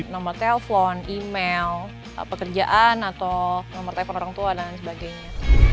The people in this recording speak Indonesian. nomor telepon email pekerjaan atau nomor telepon orang tua dan lain sebagainya